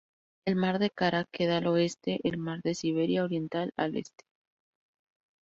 El mar de Kara queda al oeste, el mar de Siberia Oriental al este.